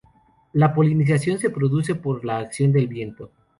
La polinización se produce por la acción del viento.